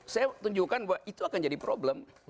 saya tunjukkan bahwa itu akan jadi problem